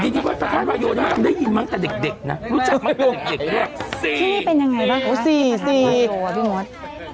ที่นี่เป็นยังไงบ้างค่ะพี่มด